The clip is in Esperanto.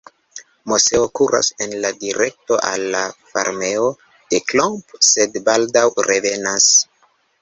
Moseo kuras en la direkto al la farmejo de Klomp, sed baldaŭ revenas.